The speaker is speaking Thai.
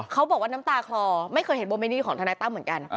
เขาบอกว่าน้ำตาคลอไม่เคยเห็นโมเมนิของทนายตั้มเหมือนกัน